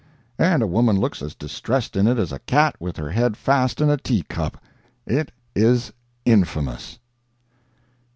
And a woman looks as distressed in it as a cat with her head fast in a tea cup. It is infamous.